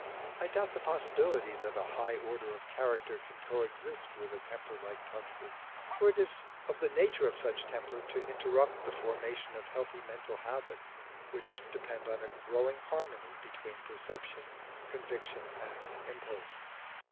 I doubt the possibility that a high order of character can coexist with a temper like Touchwood's. For it is of the nature of such temper to interrupt the formation of healthy mental habits, which depend on a growing harmony between perception, conviction, and impulse.